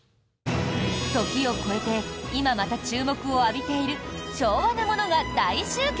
時を越えて今また注目を浴びている昭和なものが大集結！